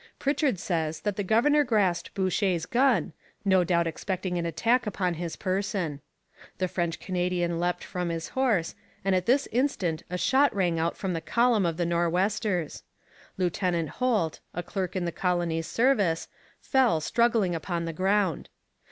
Pritchard says that the governor grasped Boucher's gun, no doubt expecting an attack upon his person. The French Canadian leapt from his horse, and at this instant a shot rang out from the column of the Nor'westers. Lieutenant Holt, a clerk in the colony's service, fell struggling upon the ground.